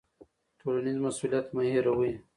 ټولنیز مسوولیت مه هیروئ.